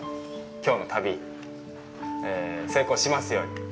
きょうの旅、成功しますように。